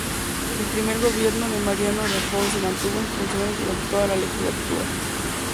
El primer Gobierno de Mariano Rajoy se mantuvo en funciones durante toda la legislatura.